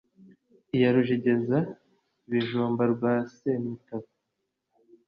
Iya rujegeza-bijumba rwa semitabo,